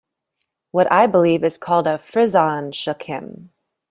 What I believe is called a frisson shook him.